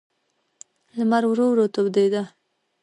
لمر ورو ورو تودېده.